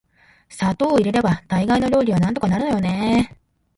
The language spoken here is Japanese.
砂糖を入れれば大概の料理はなんとかなるのよね～